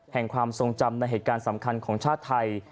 ความทรงจำในเหตุการณ์สำคัญของชาติไทย